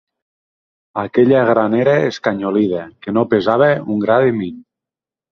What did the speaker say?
Aquella granera escanyolida, que no pesava un gra de mill